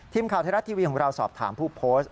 ทีมข่าวไทยรัฐทีวีของเราสอบถามผู้โพสต์